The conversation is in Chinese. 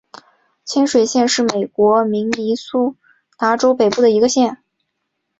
清水县是美国明尼苏达州北部的一个县。